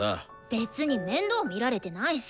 別に面倒見られてないし！